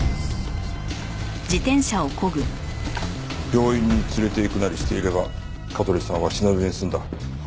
病院に連れていくなりしていれば香取さんは死なずに済んだ。